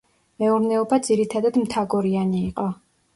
მეურნეობა ძირითადად მთაგორიანი იყო.